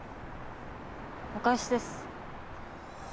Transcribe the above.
お返しです。